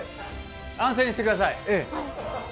安静にしていてください。